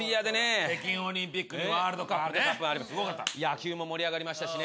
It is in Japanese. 野球も盛り上がりましたしね。